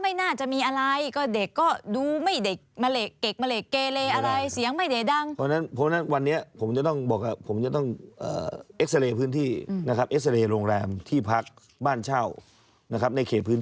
เพื่ออะไรครับ